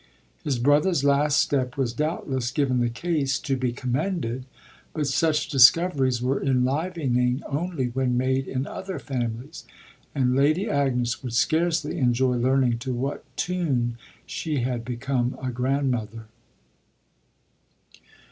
His brother's last step was doubtless, given the case, to be commended; but such discoveries were enlivening only when made in other families, and Lady Agnes would scarcely enjoy learning to what tune she had become a grandmother.